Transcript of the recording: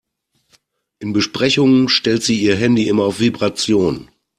In Besprechungen stellt sie ihr Handy immer auf Vibration.